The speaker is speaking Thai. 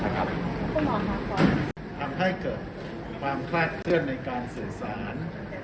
คุณหมอขอขอทำให้เกิดความคลาดเชื่อนในการสื่อสาร